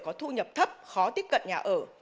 có thu nhập thấp khó tiếp cận nhà ở